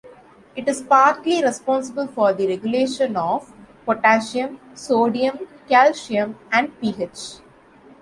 It is partly responsible for the regulation of potassium, sodium, calcium, and pH.